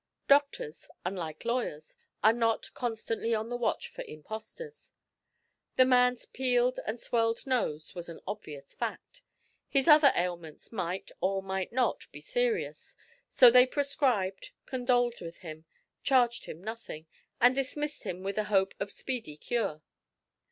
Doctors, unlike lawyers, are not constantly on the watch for impostors. The man's peeled and swelled nose was an obvious fact; his other ailments might, or might not, be serious, so they prescribed, condoled with him, charged him nothing, and dismissed him with a hope of speedy cure.